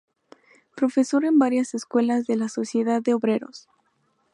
Profesor en varias escuelas de la sociedad de Obreros.